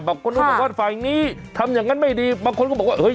บางคนก็บอกว่าฝ่ายนี้ทำอย่างนั้นไม่ดีบางคนก็บอกว่าเฮ้ย